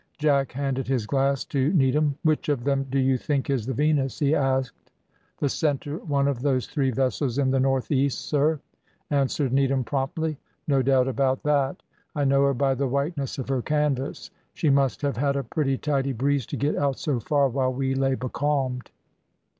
Jack handed his glass to Needham. "Which of them do you think is the Venus?" he asked. "The centre one of those three vessels in the north east, sir," answered Needham promptly. "No doubt about that; I know her by the whiteness of her canvas. She must have had a pretty tidy breeze to get out so far while we lay becalmed."